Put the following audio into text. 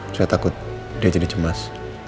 saya takut dia jadi cemas